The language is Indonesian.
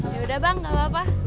yaudah bang gak apa apa